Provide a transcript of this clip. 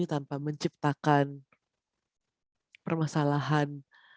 pertama terkait bahwa g tujuh akan merespon